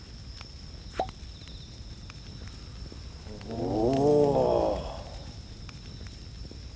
おお。